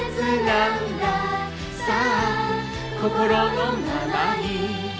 「さあ心のままに」